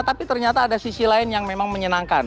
tapi ternyata ada sisi lain yang memang menyenangkan